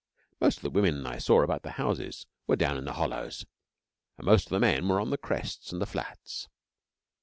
Most of the women I saw about the houses were down in the hollows, and most of the men were on the crests and the flats.